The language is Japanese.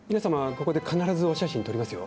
ここで必ずお写真撮りますよ。